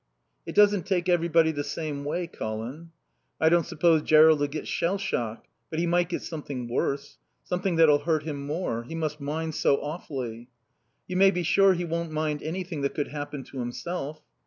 "It doesn't take everybody the same way, Colin." "I don't suppose Jerrold'll get shell shock. But he might get something worse. Something that'll hurt him more. He must mind so awfully." "You may be sure he won't mind anything that could happen to himself."